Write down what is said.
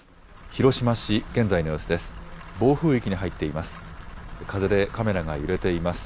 広島市、現在の様子です。